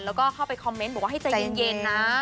แล้วก็เข้าไปคอมเมนต์บอกว่าให้ใจเย็นนะ